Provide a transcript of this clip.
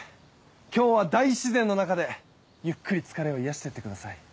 今日は大自然の中でゆっくり疲れを癒やして行ってください。